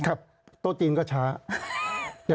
โต๊ะจีนก็ช้า